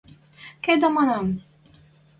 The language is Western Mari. Кедӓ, манам!..